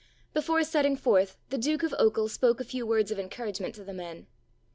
Before setting forth, the Duke of Ochil spoke a few words of encouragement to the men.